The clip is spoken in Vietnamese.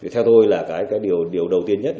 theo tôi là cái điều đầu tiên nhất